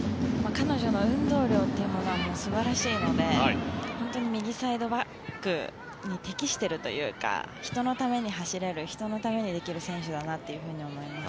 彼女の運動量は素晴らしいので本当に右サイドバックに適しているというか人のために走れる人のためにできる選手だなと思います。